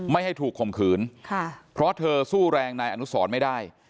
ไม่ให้ถูกข่มขืนค่ะเพราะเธอสู้แรงนายอนุสรไม่ได้